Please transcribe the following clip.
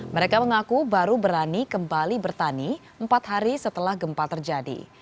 mereka mengaku baru berani kembali bertani empat hari setelah gempa terjadi